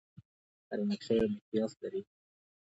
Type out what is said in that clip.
هره نقشه یو مقیاس لري.